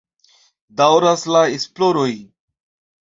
Daŭras la esploroj.